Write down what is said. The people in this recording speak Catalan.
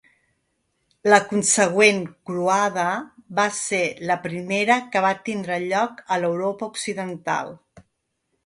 La consegüent croada va ésser la primera que va tindre lloc a l'Europa Occidental.